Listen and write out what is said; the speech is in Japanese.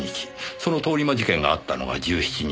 その通り魔事件があったのが１７日。